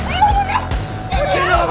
eh lo berdua